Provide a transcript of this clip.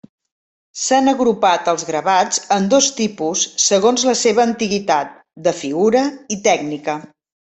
S'han agrupat els gravats en dos tipus segons la seva antiguitat, de figura i tècnica.